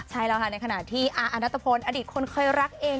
ใช่แล้วค่ะในขณะที่อาณัตภพลอดีตคนเคยรักเอง